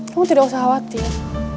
kamu tidak usah khawatir